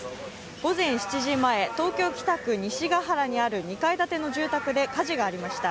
午前７時前、東京・北区西ケ原にある２階建ての住宅で火事がありました